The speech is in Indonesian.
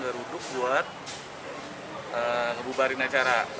geruduk buat ngebubarkan acara